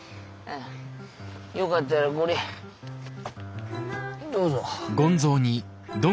よかったらこれどうぞ。